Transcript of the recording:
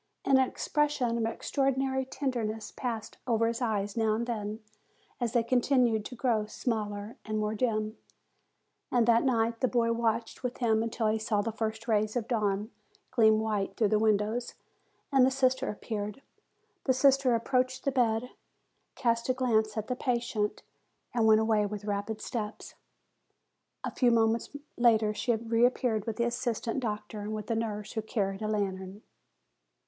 And an expression of extraordinary tenderness passed over his eyes now and then, as they continued to grow smaller and more dim. And that night the boy watched with him until he saw the first rays of dawn gleam white through the windows, and the sister ap peared. The sister approached the bed, cast a glance at the patient, and then went away with rapid steps. A few moments later she reappeared with the assist ant doctor, and with a nurse, who carried a lantern.